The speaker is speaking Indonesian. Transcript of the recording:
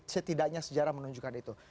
setidaknya sejarah menunjukkan itu